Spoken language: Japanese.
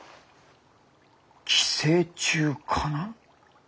寄生虫かな？